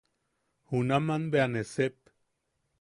Junaman bea ne sep.